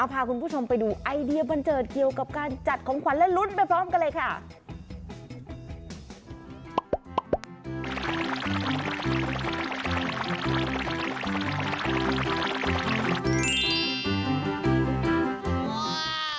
พาคุณผู้ชมไปดูไอเดียบันเจิดเกี่ยวกับการจัดของขวัญและลุ้นไปพร้อมกันเลยค่ะ